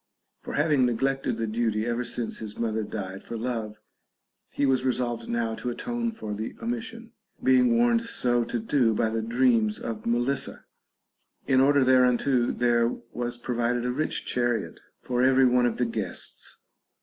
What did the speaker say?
For having neglected the duty ever since his mother died for love, he was resolved now to atone for the omission, being warned so to do by the dreams of Melissa. In order thereunto, there was provided a rich chariot for every one of the guests.